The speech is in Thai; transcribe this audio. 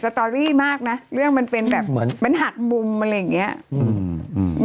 ตอรี่มากนะเรื่องมันเป็นแบบเหมือนมันหักมุมอะไรอย่างเงี้ยอืมอืม